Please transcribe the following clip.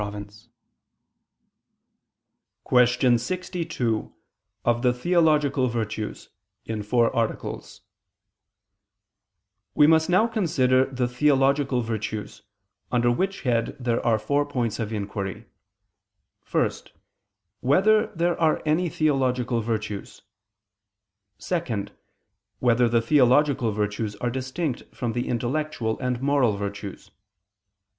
________________________ QUESTION 62 OF THE THEOLOGICAL VIRTUES (In Four Articles) We must now consider the Theological Virtues: under which head there are four points of inquiry: (1) Whether there are any theological virtues? (2) Whether the theological virtues are distinct from the intellectual and moral virtues?